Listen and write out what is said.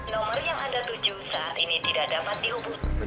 nomor yang anda tuju saat ini tidak dapat diuput